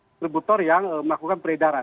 distributor yang melakukan peredaran